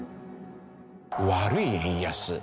悪い円安。